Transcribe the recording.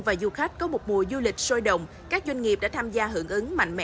và du khách có một mùa du lịch sôi động các doanh nghiệp đã tham gia hưởng ứng mạnh mẽ